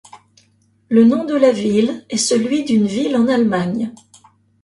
Le nom de la ville est celui d'une ville en Allemagne.